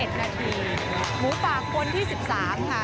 หมูปากคนที่๑๓ค่ะ